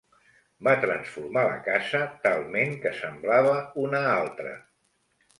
Va transformar la casa talment que semblava una altra.